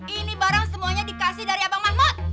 ini barang semuanya dikasih dari abang mahmud